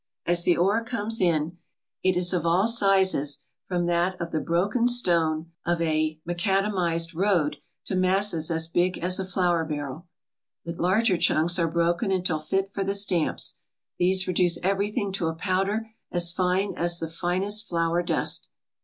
As the ore comes in, it is of all sizes from that of the broken stone of a ma cadamized road to masses as big as a flour barrel. The larger chunks are broken until fit for the stamps. These reduce everything to a powder as fine as the finest flour dust.